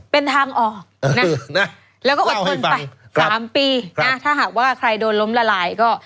เป็นทางออกนะแล้วก็อดทนไป๓ปีนะถ้าหากว่าใครโดนล้มละลายก็